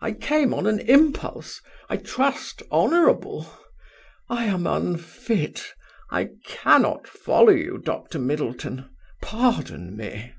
I came on an impulse; I trust, honourable. I am unfit I cannot follow you, Dr. Middleton. Pardon me."